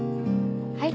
はい。